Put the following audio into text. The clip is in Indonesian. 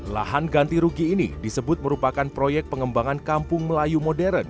lahan ganti rugi ini disebut merupakan proyek pengembangan kampung melayu modern